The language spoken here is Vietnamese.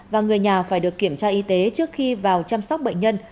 và người nhà phải được kiểm tra y tế trước khi vào chăm sóc bệnh nhân